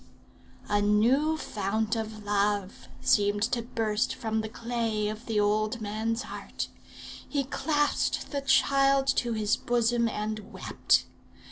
"A new fount of love seemed to burst from the clay of the old man's heart. He clasped the child to his bosom, and wept.